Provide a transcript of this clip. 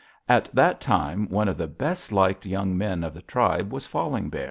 "At that time one of the best liked young men of the tribe was Falling Bear.